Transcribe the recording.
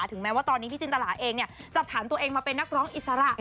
ถึงแม้ว่าตอนนี้พี่จินตราเองจะผ่านตัวเองมาเป็นนักร้องอิสระ